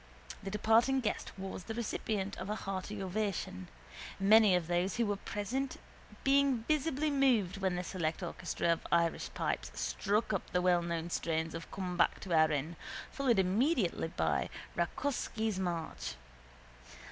The departing guest was the recipient of a hearty ovation, many of those who were present being visibly moved when the select orchestra of Irish pipes struck up the wellknown strains of Come Back to Erin, followed immediately by Rakóczsy's March.